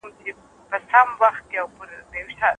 زمانه باید د څېړني په هر پړاو کي وي.